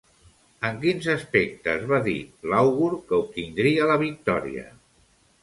En quins aspectes va dir l'àugur que obtindria la victòria?